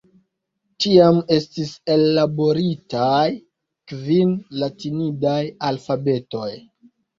Tiam estis ellaboritaj kvin latinidaj alfabetoj.